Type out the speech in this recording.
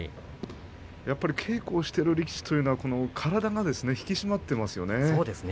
やっぱり稽古をしている力士というのは体が引き締まってますよね。